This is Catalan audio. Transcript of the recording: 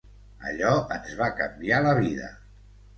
Allò ens va canviar la vida.